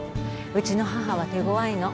うちの母は手ごわいの。